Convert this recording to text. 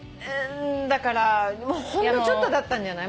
だからほんのちょっとだったんじゃない？